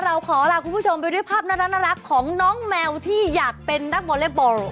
เราขอลาคุณผู้ชมไปด้วยภาพน่ารักของน้องแมวที่อยากเป็นนักวอเล็กบอล